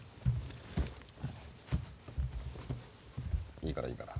いいからいいから。